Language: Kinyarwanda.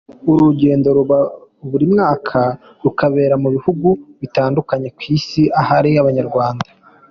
Uru rugendo ruba buri mwaka rukabera mu bihugu bitandukanye ku isi ahari Abanyarwanda.